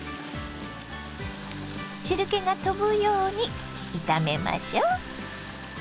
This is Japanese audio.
汁けが飛ぶように炒めましょ。